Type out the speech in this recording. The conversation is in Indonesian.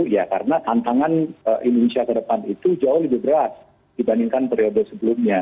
ya karena tantangan indonesia ke depan itu jauh lebih berat dibandingkan periode sebelumnya